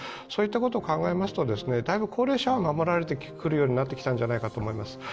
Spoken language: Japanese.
そういったことを考えますと、だいぶ高齢者は守られるようになってきたんじゃないかと思います。